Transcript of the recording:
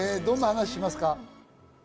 どんな話をしますか？